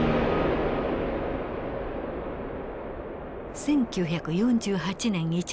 １９４８年１月３０日。